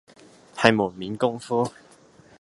係門面功夫